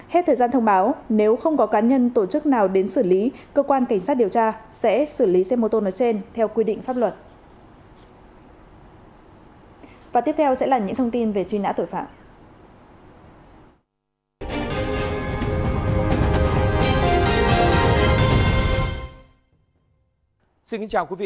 hết thời gian thông báo nếu không có cá nhân tổ chức nào đến xử lý cơ quan cảnh sát điều tra sẽ xử lý xe mô tô nói trên theo quy định pháp luật